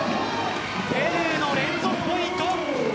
ペルーの連続ポイント。